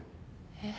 えっ？